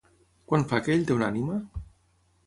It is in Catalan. Quant fa que ell té una ànima?